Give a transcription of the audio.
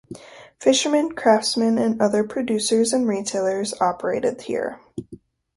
Fishermen, craftsmen and other producers and retailers operated here.